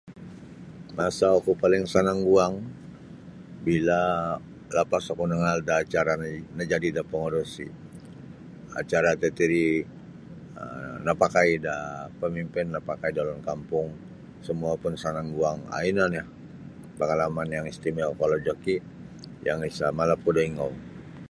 Masa oku paling sanang guang bila lapas oku nangaal da acara najad-najadi da pengerusi acara tatiri um napakai da pamimpin napakai da ulun kampung semua pun sanang guang um ino nio pangalaman yang istimewa kolod joki yang isa malap ku da ingou.